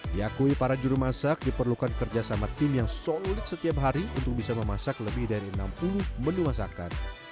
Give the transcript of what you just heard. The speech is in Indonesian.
diakui para juru masak diperlukan kerjasama tim yang solid setiap hari untuk bisa memasak lebih dari enam puluh menu masakan